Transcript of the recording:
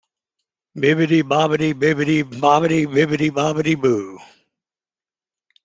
Bibbidi-bobbidi, bibbidi-bobbidi, bibbidi-bobbidi-boo.